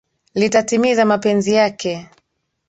Litatimiza mapenzi yake.